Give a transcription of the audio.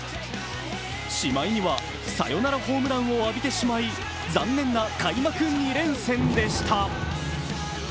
しまいには、サヨナラホームランを浴びてしまい、残念な開幕２連戦でした。